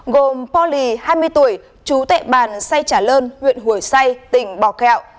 gồm polly hai mươi tuổi chú tệ bàn say trả lơn huyện hồi say tỉnh bò kẹo